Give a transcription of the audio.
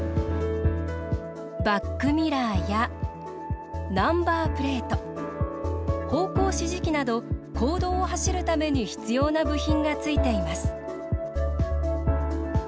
バックミラーやナンバープレート方向指示器など公道を走るために必要な部品がついています。